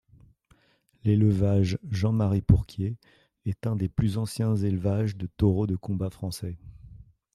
L'élevage Jean-Marie Pourquier est un des plus anciens élevages de taureaux de combat français.